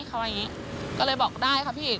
เขาว่าอย่างนี้ก็เลยบอกได้ค่ะพี่